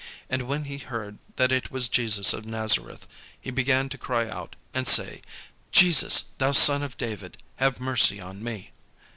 And when he heard that it was Jesus of Nazareth, he began to cry out, and say, "Jesus, thou son of David, have mercy on me."